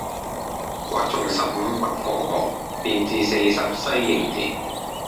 或從十五北防河，便至四十西營田。